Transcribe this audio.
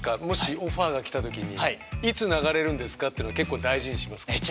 もしオファーが来たときにいつ流れるんですかってのは結構大事にしますか？